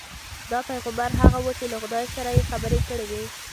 دا پیغمبر هغه وو چې له خدای سره یې خبرې کړې وې.